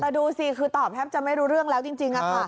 แต่ดูสิคือตอบแทบจะไม่รู้เรื่องแล้วจริงค่ะ